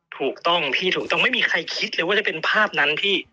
ถูกต้องพี่ถูกต้องไม่มีใครคิดเลยว่าจะเป็นภาพนั้นพี่